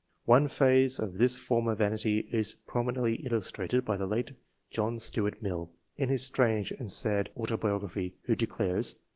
One phase of this form of vanity is prominently illustrated by the late John Stuart Mill, in his strange and sad auto biography, who declares (p.